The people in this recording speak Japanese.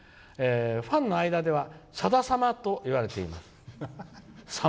「ファンの間ではさだ様と言われています。